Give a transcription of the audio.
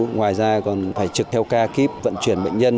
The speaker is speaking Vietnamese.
ngoài ra còn phải trực theo ca kíp vận chuyển bệnh nhân